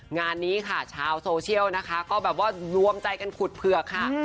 งานนี้ค่ะชาวโซเชียลนะคะก็แบบว่ารวมใจกันขุดเผือกค่ะ